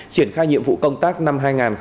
triển khai nhiệm vụ công tác năm hai nghìn hai mươi